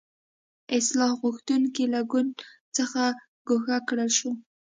اصلاح غوښتونکي له ګوند څخه ګوښه کړل شو.